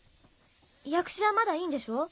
訳詞はまだいいんでしょう？